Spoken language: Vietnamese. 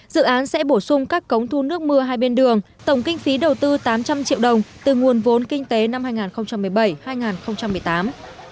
dự án sẽ bổ sung các cống thu nước mưa hai bên đường tổng kinh phí đầu tư tám trăm linh triệu đồng từ nguồn vốn kinh tế năm hai nghìn một mươi bảy hai nghìn một mươi tám